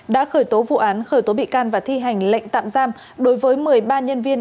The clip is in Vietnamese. đã khởi tố vụ án khởi tố bị can và thi hành lệnh tạm giam đối với một mươi ba nhân viên